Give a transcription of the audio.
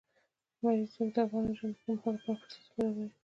لمریز ځواک د افغان نجونو د پرمختګ لپاره فرصتونه برابروي.